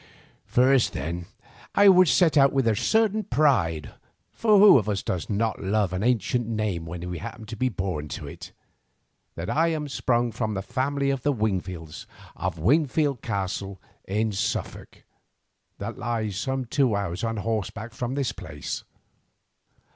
First, then, I would set out with a certain pride—for who of us does not love an ancient name when we happen to be born to it?—that I am sprung from the family of the Wingfields of Wingfield Castle in Suffolk, that lies some two hours on horseback from this place.